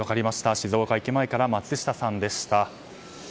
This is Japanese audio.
静岡駅前から松下さんでした。